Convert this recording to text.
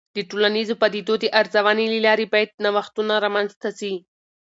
د ټولنیزو پدیدو د ارزونې له لارې باید نوښتونه رامنځته سي.